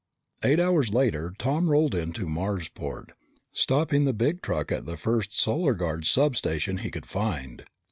Eight hours later Tom rolled into Marsport, stopping the big truck at the first Solar Guard substation he could find.